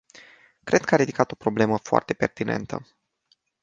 Cred că a ridicat o problemă foarte pertinentă.